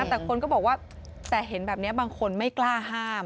แต่คนก็บอกว่าแต่เห็นแบบนี้บางคนไม่กล้าห้าม